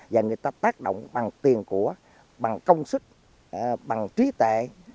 và người ta tác động bằng tiền của bằng công sức bằng trí tệ